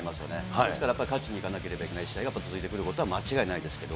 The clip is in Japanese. ですからやっぱり勝ちにいかなければいけない試合が続いてくるのは間違いないですけど。